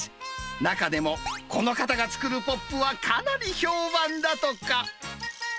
中でも、この方が作るＰＯＰはかなり評判だとか。